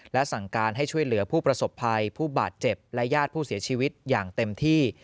และสั่งการให้ช่วยเหลือผู้ประสบภัยผู้บาดเจ็บและญาติผู้เสียชีวิตอย่างเต็มที่